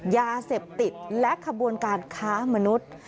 ยาเสพติดและขบวนการค้ามนุษย์